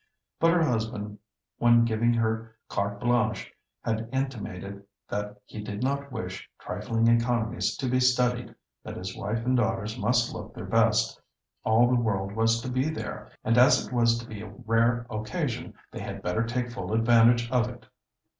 But her husband, when giving her carte blanche, had intimated that he did not wish trifling economies to be studied, that his wife and daughters must look their best; all the world was to be there, and as it was to be a rare occasion, they had better take full advantage of it.